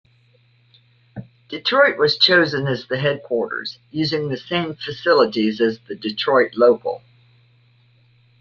Detroit was chosen as the headquarters, using the same facilities as the Detroit local.